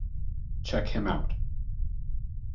Check him out.